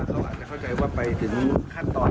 เขาอาจจะเข้าใจว่าไปถึงขั้นตอน